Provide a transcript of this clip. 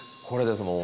これです